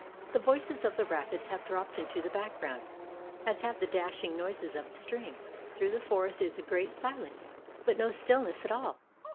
The voices of the rapids have dropped into the background, as have the dashing noises of the stream. Through the forest is a great silence, but no stillness at all.